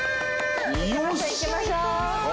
行きましょ行きましょ。